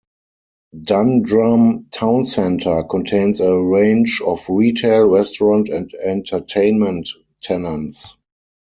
Dundrum Town Centre contains a range of retail, restaurant and entertainment tenants.